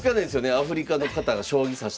アフリカの方が将棋指してる感じ。